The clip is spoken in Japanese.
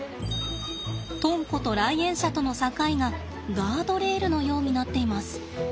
とんこと来園者との境がガードレールのようになっています。